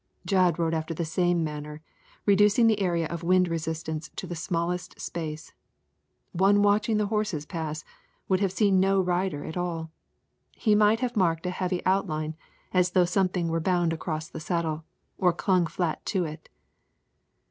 Jud rode after the same manner, reducing the area of wind resistance to the smallest space. One watching the horses pass would have seen no rider at all. He might have marked a heavy outline as though something were bound across the saddle or clung flat to it.